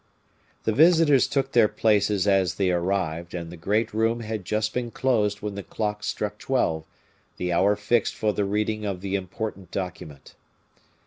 The visitors took their places as they arrived, and the great room had just been closed when the clock struck twelve, the hour fixed for the reading of the important document.